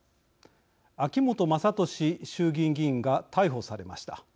秋本真利衆議院議員が逮捕されました。